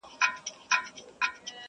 زوړ غزل له نوي تغیراتو سره؟,